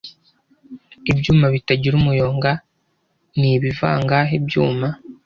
Ibyuma bitagira umuyonga ni ibivangahe byuma